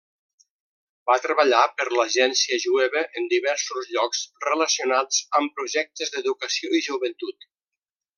Va treballar per l'Agència Jueva en diversos llocs relacionats amb projectes d'educació i joventut.